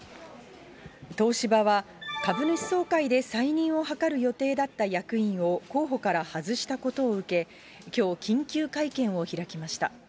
東芝は株主総会で再任を諮る予定だった役員を候補から外したことを受け、きょう、緊急会見を開きました。